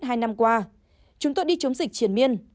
hai năm qua chúng tôi đi chống dịch triển miên